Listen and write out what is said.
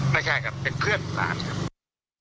ไม่ใช่ครับเป็นเพื่อนหลานครับ